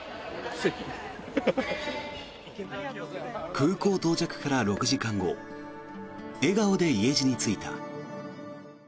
空港到着から６時間後笑顔で家路に就いた。